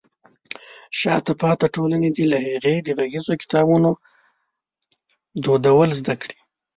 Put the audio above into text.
شاته پاتې ټولنې دې له هغې د غږیزو کتابونو دودول زده کړي.